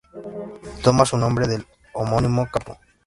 Toma su nombre del homónimo Capo.